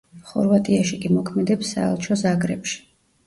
ხორვატიაში კი მოქმედებს საელჩო ზაგრებში.